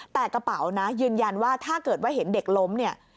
แต่กระเป๋านะยืนยันว่าถ้าเกิดว่าเห็นเด็กล้มเนี่ย